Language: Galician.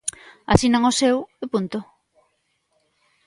Asinan o seu, e punto.